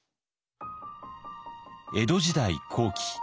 江戸時代後期。